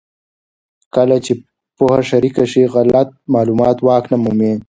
کله چې پوهه شریکه شي، غلط معلومات واک نه مومي.